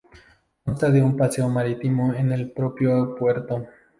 Consta de un paseo marítimo en el propio puerto.